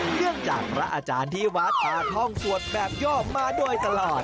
เนื่องจากพระอาจารย์ที่วัดผ่าท่องสวดแบบย่อมาโดยตลอด